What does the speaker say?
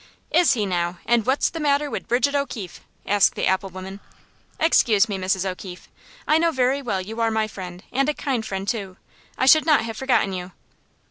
"Is he now? And what's the matter wid Bridget O'Keefe?" asked the apple woman. "Excuse me, Mrs. O'Keefe. I know very well you are my friend, and a kind friend, too. I should not have forgotten you."